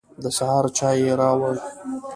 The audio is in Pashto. د سهار چای يې راوړ.